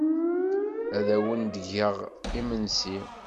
Ad awen-d-geɣ imensi.